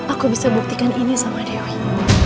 aku bisa buktikan ini sama dewi